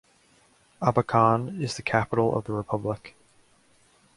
Abakan is the capital of the republic.